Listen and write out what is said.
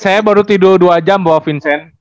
saya baru tidur dua jam bawa vincent